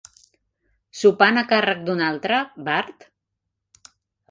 Sopant a càrrec d'un altre, Bart?